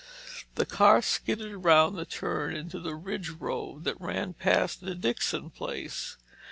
The car skidded round the turn into the Ridge Road that ran past the Dixon place.